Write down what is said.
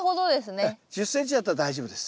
１０ｃｍだったら大丈夫です。